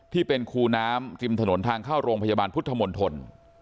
ที่เป็นครูน้ำกลิ่มถนนทางเข้าโรงพยาบาลพุทธมนธน